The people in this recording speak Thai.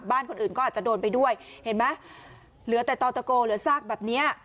บ้านคนอื่นก็อาจจะโดนไปด้วยเห็นไหมเหลือแต่ต่อตะโกเหลือซากแบบเนี้ย